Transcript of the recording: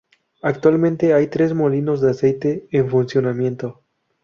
Actualmente hay tres molinos de aceite en funcionamiento.